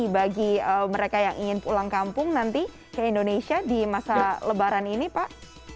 bagi mereka yang ingin pulang kampung nanti ke indonesia di masa lebaran ini pak